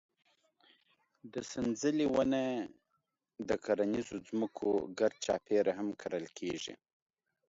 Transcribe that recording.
د سنځلې ونه د کرنیزو ځمکو ګرد چاپېره هم کرل کېږي.